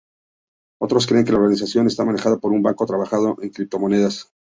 Otros creen que la organización está manejada por un banco trabajando en criptomonedas.